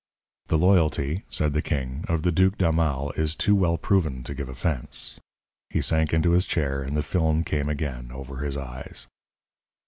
"The loyalty," said the king, "of the Duke d'Aumale is too well proven to give offence." He sank into his chair, and the film came again over his eyes.